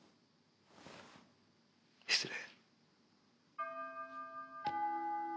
失礼。